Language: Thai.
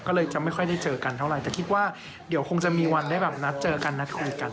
ก็เลยจะไม่ค่อยได้เจอกันเท่าไหร่แต่คิดว่าเดี๋ยวคงจะมีวันได้แบบนัดเจอกันนัดคุยกัน